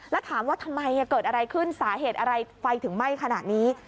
แล้วถามว่าทำไมเกิดอะไรขึ้นสาเหตุอะไรไฟถึงไหม้ขนาดนี้